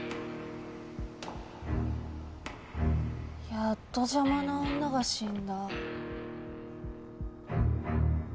・やっと邪魔な女が死んだ。